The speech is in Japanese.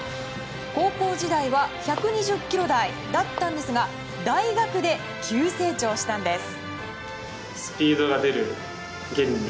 高校時代は１２０キロ台だったんですが大学で急成長したんです。